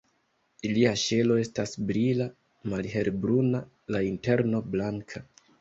Ilia ŝelo estas brila, malhelbruna, la interno blanka.